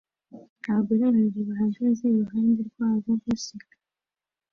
Abagore babiri bahagaze iruhande rwabo baseka